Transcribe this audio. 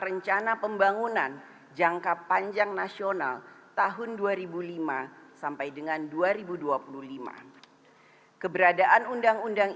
rencana pembangunan jangka panjang nasional tahun dua ribu lima sampai dengan dua ribu dua puluh lima keberadaan undang undang